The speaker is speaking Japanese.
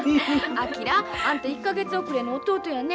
昭あんた１か月遅れの弟やね。